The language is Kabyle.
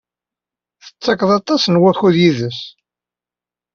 Tettekkeḍ aṭas n wakud yid-s.